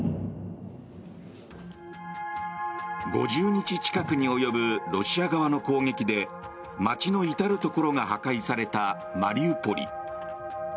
５０日近くに及ぶロシア側の攻撃で街の至るところが破壊されたマリウポリ。